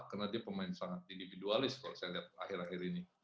karena dia pemain sangat individualis kalau saya lihat akhir akhir ini